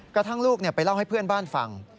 กระทั่งลูกไปเล่าให้เพื่อนบ้านฟัง